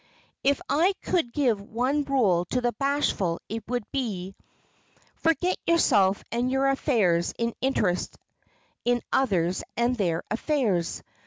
If I could give one rule to the bashful it would be: Forget yourself and your affairs in interest in others and their affairs.